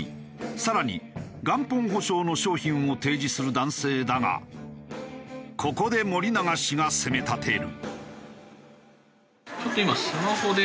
更に元本保証の商品を提示する男性だがここで森永氏が攻め立てる。